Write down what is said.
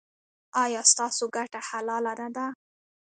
ایا ستاسو ګټه حلاله نه ده؟